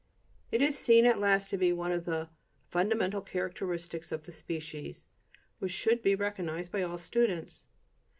It is seen at last to be one of the "fundamental characteristics of the species," which should be recognized by all students.